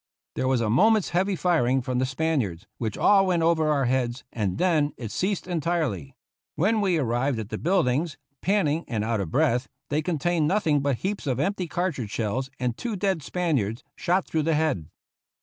There was a moment's heavy firing from the Spaniards, which all went over our heads, and then it ceased entirely. When we arrived at the buildings, panting and out of breath, they contained nothing but heaps of empty cartridge shells and two dead Spaniards, shot through the head.